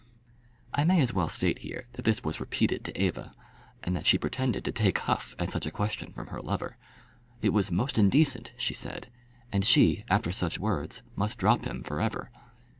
I may as well state here that this was repeated to Eva, and that she pretended to take huff at such a question from her lover. It was most indecent, she said; and she, after such words, must drop him for ever.